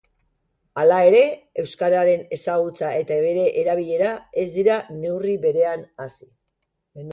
Hala ere, euskararen ezagutza eta bere erabilera ez dira neurri berean hazi.